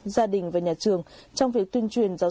gia đình và nhà trường trong việc tuyên truyền giáo dục